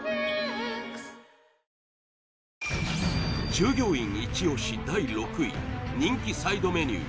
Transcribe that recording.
従業員イチ押し第６位人気サイドメニュー